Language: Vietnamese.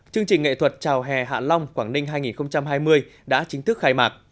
chương trình nghệ thuật chào hè hạ long quảng ninh hai nghìn hai mươi đã chính thức khai mạc